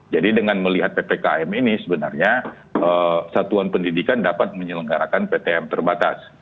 jadi dengan melihat ppkm ini sebenarnya satuan pendidikan dapat menyelenggarakan ptm terbatas